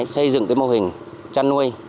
xây dựng cái mô hình chăn nuôi